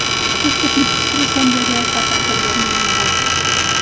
Aquesta finestra sembla haver estat anteriorment un balcó.